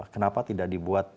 kenapa tidak dibuat